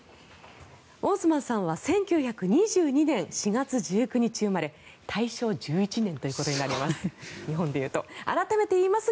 オースマンさんは１９２２年４月１９日生まれ大正１１年ということになります。